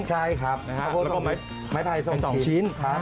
แล้วก็ไม้ไพร๒ชิ้น